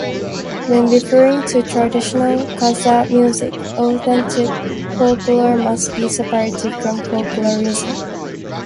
When referring to traditional Kazakh music, authentic folklore must be separated from "folklorism".